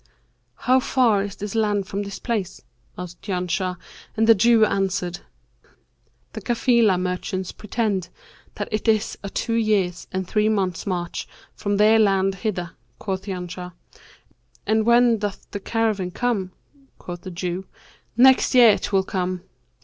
'How far is that land from this place?' asked Janshah, and the Jew answered, 'The Cafilah merchants pretend that it is a two years and three months' march from their land hither.' Quoth Janshah, 'And when doth the caravan come?' Quoth the Jew, 'Next year 'twill come.'